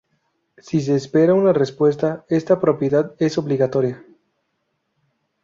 Si se espera una respuesta, esta propiedad es obligatoria.